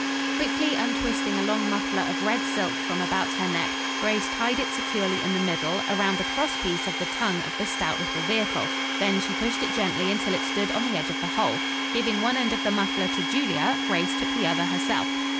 Quickly untwisting a long muffler of red silk from about her neck, Grace tied it securely in the middle, around the cross piece of the tongue of the stout little vehicle. Then she pushed it gently until it stood on the edge of the hole. Giving one end of the muffler to Julia, Grace took the other herself.